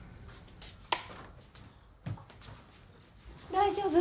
大丈夫？